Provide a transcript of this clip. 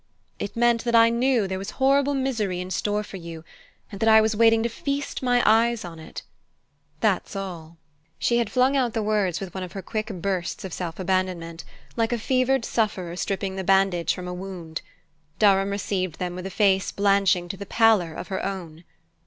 It meant that I knew there was horrible misery in store for you, and that I was waiting to feast my eyes on it: that's all!" She had flung out the words with one of her quick bursts of self abandonment, like a fevered sufferer stripping the bandage from a wound. Durham received them with a face blanching to the pallour of her own.